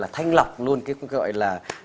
thành lọc luôn cái gọi là